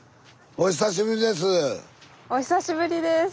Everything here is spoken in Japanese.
お久しぶりです。